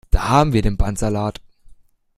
Da haben wir den Bandsalat!